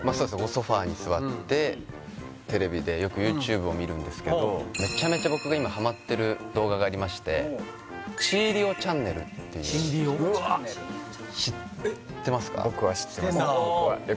ソファに座ってテレビでよくＹｏｕＴｕｂｅを見るんですけどめちゃめちゃ僕が今ハマってる動画がありまして知ってますか？